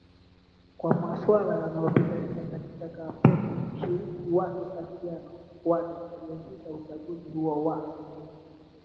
kwa masuala anayoyapigania katika kampeni Mshirika wake Kassiano Wadri aliyeshinda uchaguzi huo wa